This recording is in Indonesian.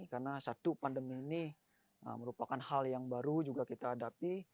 karena satu pandemi ini merupakan hal yang baru juga kita hadapi